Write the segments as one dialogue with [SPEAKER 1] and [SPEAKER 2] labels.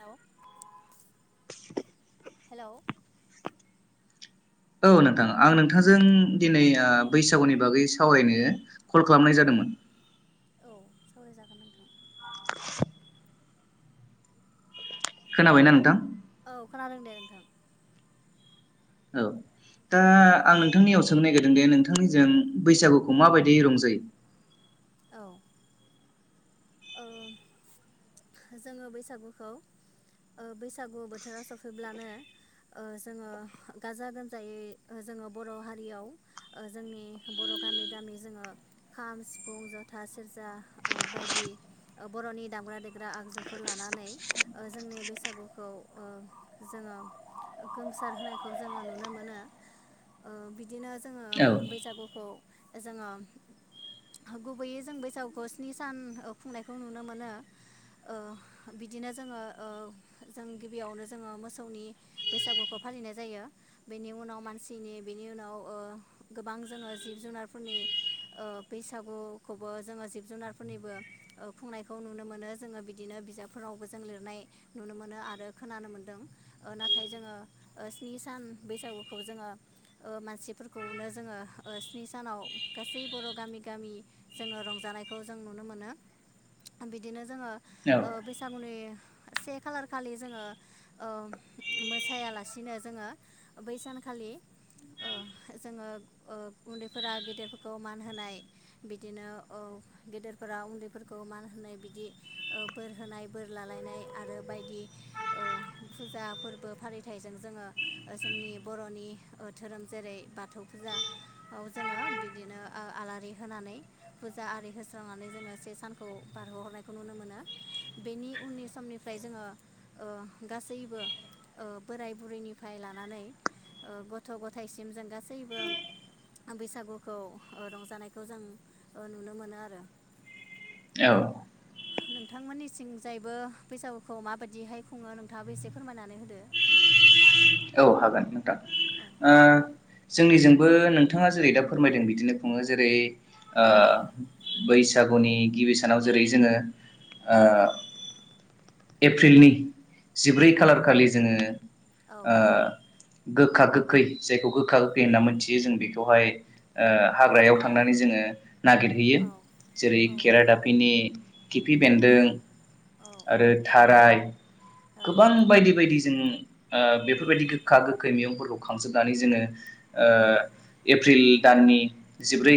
[SPEAKER 1] हेल हेल'
[SPEAKER 2] औ नोंथां आं नोंथांजों दिनै
[SPEAKER 1] औ
[SPEAKER 2] बैसागुनि बागै सावरायनो कल खालामनाय
[SPEAKER 1] औ
[SPEAKER 2] जादोंमोन
[SPEAKER 1] औ सावरायजागोन नोंथां
[SPEAKER 2] खोनाबायना नोंथां
[SPEAKER 1] औ खोनादों दे नोंथां
[SPEAKER 2] औ दा आं नोंथांनियाव सोंनो नागिरदोंदि नोंथांनिजों बैसागुखौ माबायदि रंजायो
[SPEAKER 1] औ जोङो बैसागुखौ बैसागु बोथोराव सफैब्लानो जोङो गाजा गोमजायै जोङो बर' हारियाव जोंनि बर' गामि गामि जोङो खाम सिफुं जथा सेरजा बायदि बर'नि दामग्रा देग्रा आगजुफोर लानानै जोंनि बैसागुखौ जोङो गोमसार होनायखौ जोङो नुनो मोनो बिदिनो जोङो
[SPEAKER 2] औ
[SPEAKER 1] बैसागुखौ जोङो गुबैयै जों बैसागुखौ स्नि सान खुंनायखौ नुनो मोनो बिदिनो जोङो जों गिबियावनो जोङो मोसौनि बैसागुखौ फालिनाय जायो बेनि उनाव मानसिनि बेनि उनाव गोबां जोङो जिब जुनारफोरनि बैसागुखौबो जोङो जिब जुनारफोरनिबो खुंनायखौ नुनो मोनो जोङो बिदिनो बिजाबफोरावबो जों लिरनाय नुनो मोनो आरो खोनानो मोनदों नाथाय जोङो स्नि सान बैसागुखौ जोङो मानसिफोरखौनो जोङो स्नि सानाव गासै बर' गामि गामि जोङो रंजानायखौ जों नुनो मोनो बिदिनो जोङो
[SPEAKER 2] औ
[SPEAKER 1] बैसागुनि से खालार खालि जोङो मोसायालासिनो जोङो बै सानखालि जोङो उन्दैफोरा गेदेरफोरखौ मान होनाय बिदिनो गेदेरफोरा उन्दै फोरखौ मान होनाय बिदि बोर होनाय बोर लालायनाय आरो बायदि फुजा फोरबो फालिथाइजों जोङो जोंनि बर'नि धोरोम जेरै बाथौ फुजाायाव जोङो बिदिनो आलारि होनानै फुजा आरि होस्रांनानै जोङो से सानखौ बारहोहरनायखौ नुनो मोनो बेनि उननि समनिफ्राय जोङो गासैबो बोराय बुरैनिफ्राय लानानै गथ' गथायाइसिम जों गासैबो बैसागुखौ रंजानायखौ जों नुनो मोनो आरो
[SPEAKER 2] औ
[SPEAKER 1] नोंथांमोननि सिंजायैबो बैसागुखौ माबायदिहाय खुङो नोंथाङाबो एसे फोरमायनानै होदो
[SPEAKER 2] औ हागोन नोंथां
[SPEAKER 1] औ
[SPEAKER 2] जोंनिजोंबो नोंथाङा जेरै दा फोरमायदों बिदिनो खुङो जेरै ओ
[SPEAKER 1] औ
[SPEAKER 2] बैसागुनि गिबि सानाव जेरै जोङो ओ
[SPEAKER 1] औ
[SPEAKER 2] एप्रिलनि जिब्रै
[SPEAKER 1] औ
[SPEAKER 2] खालार खालि जोङो
[SPEAKER 1] औ
[SPEAKER 2] ओ गोखा गोखै जायखौ गोखा गोखै होनना मोनथियो जों बेखौहाय ओ
[SPEAKER 1] औ
[SPEAKER 2] हाग्रायाव थांनानै जोङो। नागिरहैयो
[SPEAKER 1] औ
[SPEAKER 2] जेरै केराडाफिनि खिफि
[SPEAKER 1] औ
[SPEAKER 2] बेन्दों
[SPEAKER 1] औ
[SPEAKER 2] आरो थाराय
[SPEAKER 1] औ
[SPEAKER 2] गोबां बायदि बायदि जों ओ बेफोरबायदि गोखा गोखै मैगंफोरखौ खांजोबनानै जोङो ओ
[SPEAKER 1] औ
[SPEAKER 2] एप्रिल दाननि जिब्रै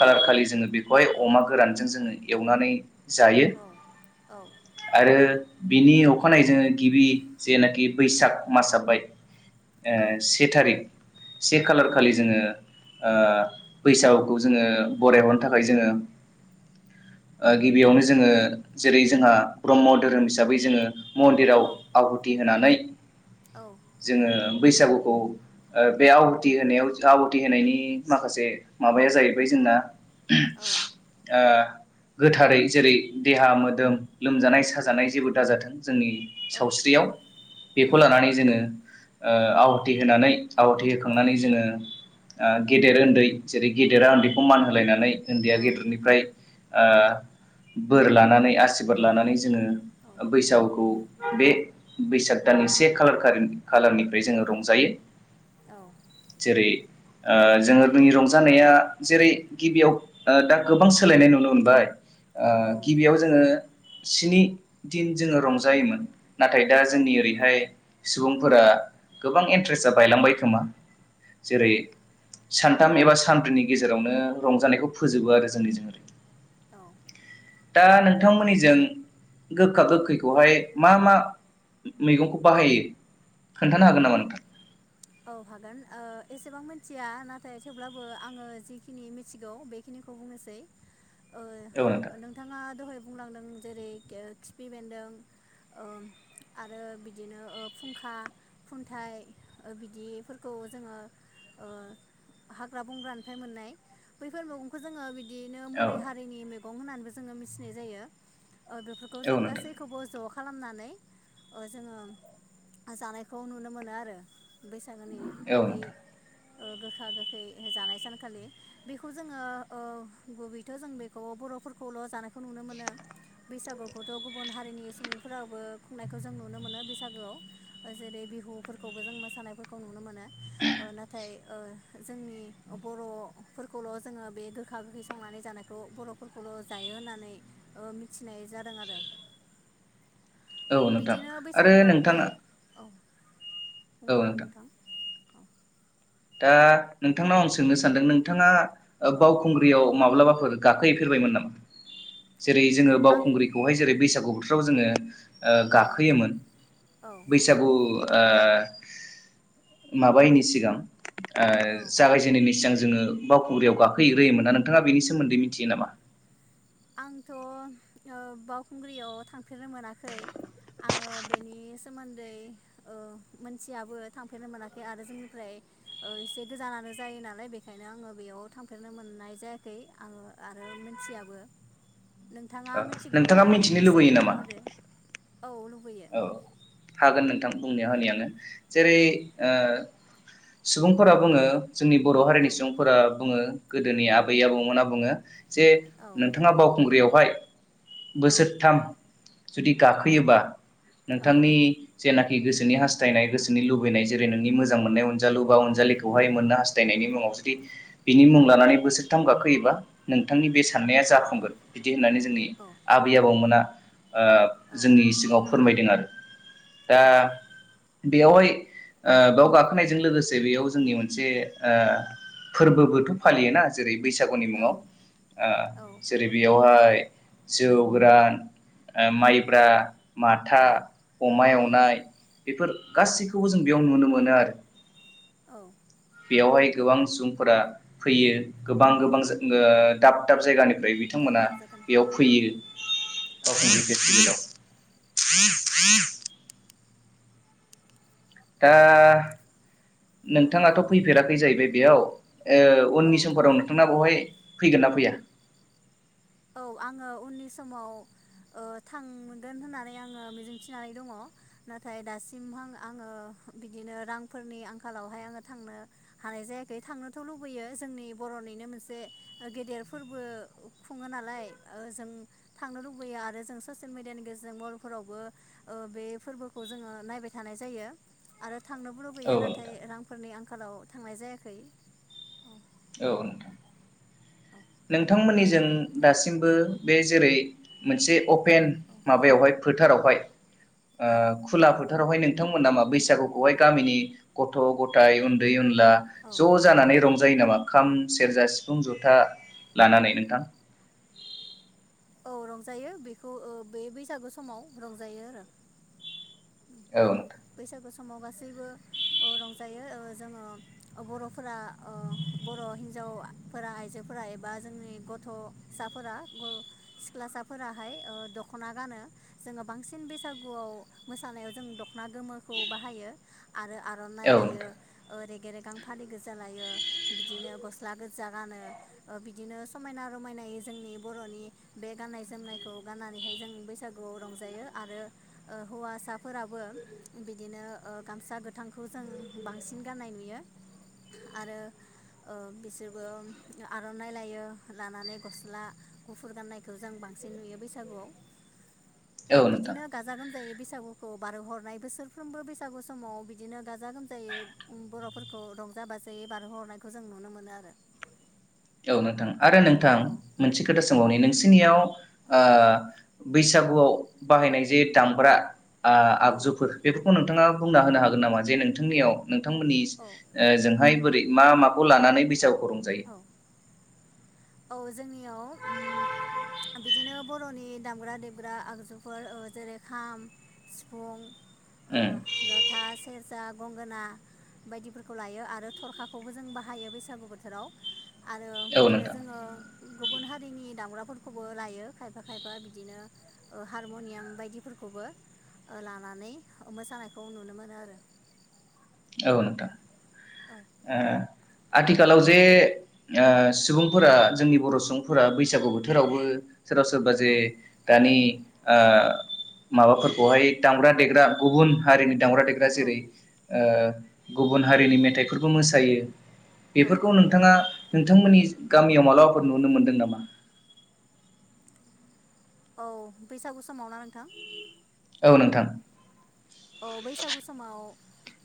[SPEAKER 2] खालार खालि जोङो बेखौहाय अमा गोरानजों जोङो एवनानै जायो आरो बिनि अखानायै जोङो गिबि जेनाखि बैसाग मासावहाय ओ से थारिख से खालार खालि जोङो ओ बैसागुखौ जोङो बरायहरनो थाखाय जोङो गिबियावनो ओ जोङो जेरै जोंहा ब्रह्म धोरोम हिसाबै जोङो। मन्दिराव आहुथि होनानै [unintelligible] जोङो बैसागुखौ ओ बे आहुथि होनायाव आहुथि होनायनि माखासे माबाया जाहैबाय जोंना
[SPEAKER 1] औ
[SPEAKER 2] [inaudible] ओ गोथारै जेरै देहा मोदोम लोमजानाय साजानाय जेबो दाजाथों। जोंनि सावस्रियाव बेफोर लानानै जोङो ओ आहथि होनानै आहथि होखांनानै जोङो गेदेर उन्दै जेरै गेदेरा उन्दैखौ मान होलायनानै ओन्दैया
[SPEAKER 1] औ
[SPEAKER 2] गेदेरनिफ्राय ओ बोर लानानै आसिरबाद
[SPEAKER 1] औ
[SPEAKER 2] लानानै
[SPEAKER 1] बोर
[SPEAKER 2] जोङो
[SPEAKER 1] औ
[SPEAKER 2] ओ बैसागुखौ बे बैसाग दाननि से खालारखालि खालारनिफ्राय जोङो रंजायो।
[SPEAKER 1] औ
[SPEAKER 2] जेरै ओ जोङो जोंनि रंजानाया जेरै गिबियाव दा गोबां सोलायनाय नुनो मोनबाय। ओ
[SPEAKER 1] औ
[SPEAKER 2] गिबियाव जोङो स्नि दिन जोङो रंजायोमोन। नाथाय दा जोंनि ओरैहाय सुबुंफोरा गोबां इन्ट्रेस्टआ बायलांबाय खोमा। जेरै सानथाम एबा सानब्रैनि गेजेरावनो रंजानायखौ फोजोबो आरो जोंनिजों ओरै
[SPEAKER 1] औ।
[SPEAKER 2] दा नोंथांमोननिजों गोखा
[SPEAKER 1] औ
[SPEAKER 2] गोखैखौहाय मा मा मैगंखौ बाहायो खोन्थानो हागोन नामा नोंथां?
[SPEAKER 1] औ हागोन ओ एसेबां मिथिया नाथाय थेवब्लाबो आङो जिखिनि मिथिगौ बेखिनिखौ बुंनोसै। ओ
[SPEAKER 2] औ नोंथां
[SPEAKER 1] नोंथाङा दहाय बुंलांदों जेरै खिफि बेन्दों ओ आरो बिदिनो फुंखा खुन्थाइ ओ बिदिफोरखौ जोङो ओ हाग्रा बंग्रानिफ्राय मोननाय बैफोर मैगंखौ जोङो बिदि। बिदिनो
[SPEAKER 2] औ
[SPEAKER 1] मुलि हारिनि मैगं गं होननानैबो जोङो मिथिनाय जायो। ओ बेफोरखौ
[SPEAKER 2] औ
[SPEAKER 1] जों
[SPEAKER 2] नोंथां
[SPEAKER 1] गासैखौबो ज खालामनानै ओ जोङो जानायखौ नुनो मोनो आरो। बैसागोनि
[SPEAKER 2] औ
[SPEAKER 1] बै
[SPEAKER 2] नोंथां
[SPEAKER 1] ओ गोखा गोखै जानाय सानखालि बेखौ जोङोओ गुबैथ जों बेखौ बरफोरखौल जानायखौ नुनो मोनो बैसागुखौथ गुबुन हारिनि सुबुंफोराबो खुंनायखौ जों नुनो मोनो बैसागोआव जेरै बिहुफोरखौबो जों उम थानायफोरखौ नुनो मोनो। ओ नाथाय। ओ जोंनि बरफोरखौल जोङो बे गोखा गोखै संनानै जानायखौ बरफोरखौल जायो होननानै ओ मिथिनाय जादों आरो। औ
[SPEAKER 2] नोंथां
[SPEAKER 1] बिदिनो
[SPEAKER 2] आरो
[SPEAKER 1] बैसागुआव बे
[SPEAKER 2] नोंथाङा
[SPEAKER 1] औ। बुंनो हागोन नोंथां। औ
[SPEAKER 2] दा नोंथांनाव आं सोंनो सानदों नोंथाङा ओ
[SPEAKER 1] औ
[SPEAKER 2] बावखुंग्रियाव माब्लाबा गाखोहैफेरबायमोन नामा जेरै जोङो
[SPEAKER 1] आं
[SPEAKER 2] बावुंग्रिखौहाय
[SPEAKER 1] औ
[SPEAKER 2] जेरै बैसागु फोराव जोङो ओ
[SPEAKER 1] औ
[SPEAKER 2] गाखोयोमोन
[SPEAKER 1] औ
[SPEAKER 2] बैसागु ओ माबायिनि सिगां ओ
[SPEAKER 1] औ
[SPEAKER 2] जागायजेनायनि सिगां जोङो बावखुंग्रियाव गाखोहैग्रोयोमोन ना नोंथाङा बेनि सोमोन्दै मिथियो नामा
[SPEAKER 1] आंथ ओ बावखुंग्रियाव थांफेरनो मोनाखै आङो बेनि सोमोन्दै ओ मोनथियाबो थांफेरनो मोनाखै आरो जोंनिफ्राय ओ एसे गोजानानो जायो नालाय बेखायनो आङो बेयाव थांफेरनो मोननाय जायाखै आङो आरो मोनथियाबो नोंथाङा
[SPEAKER 2] ओ नोंथाङा
[SPEAKER 1] मिथिगौब्ला
[SPEAKER 2] मिथिनो
[SPEAKER 1] एसे
[SPEAKER 2] लुबैयो नामा
[SPEAKER 1] बुंनानै होदो औ लुबैयो
[SPEAKER 2] औ हागोन नोंथां बुंना होनि आङो जेरै
[SPEAKER 1] औ
[SPEAKER 2] ओ सुबुंफोरा बुङो जोंनि बरहारिनि
[SPEAKER 1] औ
[SPEAKER 2] सुबुंफोरा बुङो गोदोनि आबै आबौमोना बुङो जे
[SPEAKER 1] औ
[SPEAKER 2] नोंथाङा बावखुंग्रियाव [unintelligible]
[SPEAKER 1] औ
[SPEAKER 2] बोसोरथाम जुदि गाखोयोबा
[SPEAKER 1] औ
[SPEAKER 2] नोंथांनि जेनाखि गोसोनि हास्थायनाय गोसोनि लुबैनाय जेरै नोंनि मोजां मोननाय अनजालु बा अनजालिखौहाय मोननो हासनायनि मुङाव जुदि बिनि मुं लानानै बोसोरथाम गाखोयोबा नोंथांनि बे साननाया
[SPEAKER 1] औ
[SPEAKER 2] जाफुंगोन बिदि होननानै जोंनि
[SPEAKER 1] औ
[SPEAKER 2] आबै आबौमोना ओ
[SPEAKER 1] औ
[SPEAKER 2] जोंनि सिगाङाव फोरमायदों आरो दा
[SPEAKER 1] औ
[SPEAKER 2] बेयावहाय ओ बेयाव गाखोनायजों लोगोसे बेयाव जोंनि मोनसे ओ फोरबोबोथ' फालियोना जेरै बैसागुनि
[SPEAKER 1] औ
[SPEAKER 2] मुङाव ओ
[SPEAKER 1] औ
[SPEAKER 2] जेरै
[SPEAKER 1] फोरबो खुङो
[SPEAKER 2] बेयावहाय जौ गोरान ओ
[SPEAKER 1] औ
[SPEAKER 2] माइब्रा माथा
[SPEAKER 1] औ
[SPEAKER 2] अमा
[SPEAKER 1] औ
[SPEAKER 2] एवनाय बेफोर गासैखौबो जों बेयावनो नुनो मोनो आरो
[SPEAKER 1] औ
[SPEAKER 2] बेयावहाय गोबां सुबुंफोरा फैयो
[SPEAKER 1] औ
[SPEAKER 2] गोबां गोबां जोङो दाब दाब जायगानि ओमफ्राय
[SPEAKER 1] दाब
[SPEAKER 2] बिथांमोना
[SPEAKER 1] दाब
[SPEAKER 2] बेयाव
[SPEAKER 1] जायगानिफ्राय औ
[SPEAKER 2] फैयो
[SPEAKER 1] औ
[SPEAKER 2] बावखुंग्रि फेस्टिभेलाव [inaudible]
[SPEAKER 1] औ
[SPEAKER 2] दा
[SPEAKER 1] औ
[SPEAKER 2] नोंथाङाथ' फैफेराखै जाहैबाय बेयाव ओ
[SPEAKER 1] औ
[SPEAKER 2] उननि समफोराव
[SPEAKER 1] थांफेराखै
[SPEAKER 2] नोंथाङा बावहाय फैगोन ना फैया?
[SPEAKER 1] औ आङो उननि समाव ओ थांगोन होननानै आङो मिजिंथिनानै दङ। नाथाय दासिमहां आङो बिदिनो रांफोरनि आंखालावहाय आङो थांनो हानाय जायाखै थांनोथ' लुबैयो जोंनि बर'निनो मोनसे ओ गेदेर फोरबो खुङो नालाय ओ जों थांनो लुबैयो आरो जों ससियेल मेडियानि गेजेरजों बे मबाइल फोरावबो बे फोरबोखौ जोङो नायबाय थानाय जायो। आरो थांनोबो
[SPEAKER 2] औ
[SPEAKER 1] लुबैयो
[SPEAKER 2] नोंथां
[SPEAKER 1] नाथाय रां फोरनि आंखालाव थांनाय जायाखै औ
[SPEAKER 2] औ नोंथां
[SPEAKER 1] औ
[SPEAKER 2] नोंथांमोननिजों दासिमबो बे जेरै मोनसे अपेन
[SPEAKER 1] औ
[SPEAKER 2] माबायावहाय फोथारावहाय ओ
[SPEAKER 1] औ
[SPEAKER 2] खुला फो फोथारावहाय नोंथांमोना मा बैसागुखौहाय गामिनि गथ' गथाय उन्दै उन ला
[SPEAKER 1] औ
[SPEAKER 2] ज' जानानै रंजा जायो नामा खाम सेरजा सिफुं जथा लानानै नोंथां?
[SPEAKER 1] औ रंजायो बेखौ ओ बे बैसागु समाव रंजायो आरो
[SPEAKER 2] औ
[SPEAKER 1] आसामाव गासैबो रंजायो जोङो ओ बर' फोरा ओ बर' हिन्जाव फोरा आइजोफोरा एबा जोंनि गथ'साफोरा ग सिख्लासाफोराहाय ओ दख'ना गानो जोङो बांसिन बैसागुआव मोसानायाव जों दख'ना गोमोखौ बाहायो। आरो आर'नाइ
[SPEAKER 2] औ
[SPEAKER 1] लायो
[SPEAKER 2] नोंथां
[SPEAKER 1] ओरै गेरेगां फालि गोजा लायो बिदिनो गस्ला गोजा गानो ओ बिदिनो समायना रमायनायै जोंनि बर'नि बे गाननाय जोमनायखौ गाननानैहाय जों बैसागुआव रंजायो आरो ओ हौवासाफोराबो बिदिनो ओ गामसा गोथांखौ जों बांसिन गाननाय नुयो आरो ओ बिसोरबो आर'नाइ लायो लानानै गस्ला गुफुर गाननायखौ जों बांसिन नुयो बैसागुआव।
[SPEAKER 2] औ नोंथां
[SPEAKER 1] बिदिनो गाजा गोमजायै बैसागुखौ बारहोहरनाय बोसोरफ्रोमबो बैसागु समाव बिदिनो गाजा गोमजायै उम बर'फोरखौ रंजा बाजायै बारहोहरनायखौ जों नुनो मोनो आरो
[SPEAKER 2] औ नोंथां। आरो नोंथां
[SPEAKER 1] औ
[SPEAKER 2] मोनसे खोथा
[SPEAKER 1] औ
[SPEAKER 2] सोंबावनि नोंसिनियाव
[SPEAKER 1] औ
[SPEAKER 2] ओ बैसागुआव बाहायनाय जे दामग्रा आ
[SPEAKER 1] औ
[SPEAKER 2] आगजुफोर बेफोरखौ नोंथ थाङा बुंना होनो हागोन नामा जे नोंथांनियाव नोंथांमोननि
[SPEAKER 1] औ
[SPEAKER 2] ओजोंहाय बोरै मा माखौ लानानै बैसागु- रंजायो?
[SPEAKER 1] औ औ जोंनियाव उम बिदिनो बर'नि दामग्रा देबग्रा आगजुफोर जेरै ओ खाम, सिफुं ओ
[SPEAKER 2] उम
[SPEAKER 1] जथा, सेरजा गंगोना बायदिफोरखौ लायो आरो थरखाखौबो जों बाहायो बैसागु बोथोराव। आरो
[SPEAKER 2] औ नोंथां
[SPEAKER 1] ओ गुबुन हारिनि दामग्राफोरखौबो लायो खायफा खायफा बिदिनो ओ हारमनियाम बायदिफोरखौबो ओ लानानै मोसानायखौ नुनो मोनो आरो औ औ
[SPEAKER 2] ओ आथिखालाव जे ओ सुबुंफोरा जोंनि बर' सुबुंफोरा बैसागु बोथोरावबो सोरबा सोरबा जे
[SPEAKER 1] औ
[SPEAKER 2] दानि ओ माबाफोरखौहाय दामग्रा देग्रा गुबुन हारिनि दामग्रा देग्रा
[SPEAKER 1] औ
[SPEAKER 2] जेरै ओ गुबुन हारिनि मेथाइफोरबो मोसायो।
[SPEAKER 1] औ
[SPEAKER 2] बेफोरखौ नोंथाङा नोंथांमोननि गामियाव मालाबाफोर नुनो मोनदों नामा?
[SPEAKER 1] औ बैसागु समाव ना नोंथां?
[SPEAKER 2] औ नोंथां।
[SPEAKER 1] अ बैसागु समाव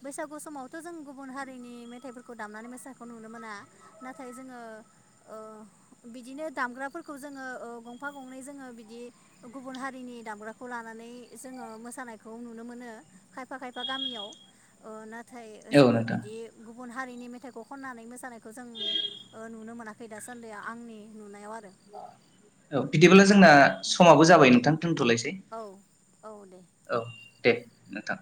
[SPEAKER 1] बैसागु समावथ' जों गुबुन हारिनि मेथाइफोरखौ दामनानै मोसानायखौ नुनो मोना नाथाय जोंङो ओ बिदिनो दामग्राफोरखौ जोंङो ओ गंफा गंनै जोंङो बिदि गुबुन हारिनि दामग्राखौ लानानै जोंङो मोसानायखौ नुनो मोनो। खायफा खायफा गामियाव ओ नाथ थाय ओ
[SPEAKER 2] औ
[SPEAKER 1] जोंङो
[SPEAKER 2] नोंथां
[SPEAKER 1] बिदि गुब गुबुन हारिनि मेथाइखौ खननानै मोसानायखौ जों ओ नुनो मोनाखै दासान्दिया आंनि नुनायाव आरो
[SPEAKER 2] औ बिदि बालाय जोंना समाबो जाबाय नोंथां। दोनथलायसै
[SPEAKER 1] औ औ दे
[SPEAKER 2] औ दे नोंथां